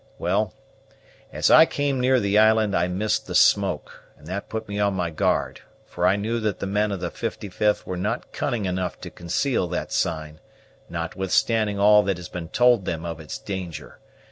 Well, as I came near the island I missed the smoke, and that put me on my guard; for I knew that the men of the 55th were not cunning enough to conceal that sign, notwithstanding all that has been told them of its danger.